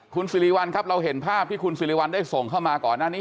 คุณสิริวัลครับเราเห็นภาพที่คุณสิริวัลได้ส่งเข้ามาก่อนหน้านี้